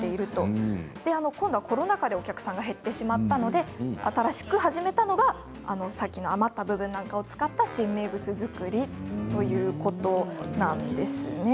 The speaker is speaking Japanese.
コロナ禍で、お客さんが減ってしまったので新しく始めたのが余った部分を使った新名物作りということなんですね。